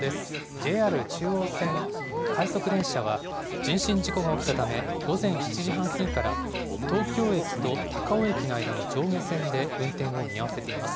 ＪＲ中央線快速電車は、人身事故が起きたため、午前７時半過ぎから、東京駅と高尾駅の間の上下線で運転を見合わせています。